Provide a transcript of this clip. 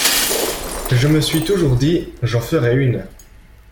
Je me suis toujours dit: j’en ferai une!